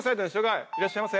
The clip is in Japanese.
「うおっ！いらっしゃいませ！！」